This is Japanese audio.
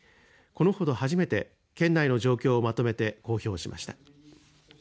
このほど初めて県内の状況をまとめて公表しました。